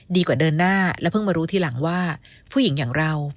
เดินหน้าและเพิ่งมารู้ทีหลังว่าผู้หญิงอย่างเรา